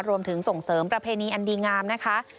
รวมถึงส่งเสริมประเพณีอันดีงามนะคะ